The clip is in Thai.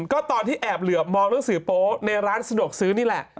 ก็ตอนที่แอบเหลือบมองหนังสือโป๊ในร้านสะดวกซื้อนี่แหละ